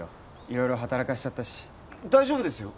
色々働かせちゃったし大丈夫ですよ